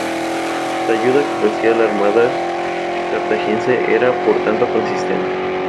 La ayuda que ofrecía la armada cartaginesa era, por tanto, consistente.